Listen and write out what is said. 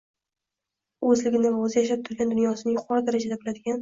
O‘zligini va o‘zi yashab turgan dunyosini yuqori darajada biladigan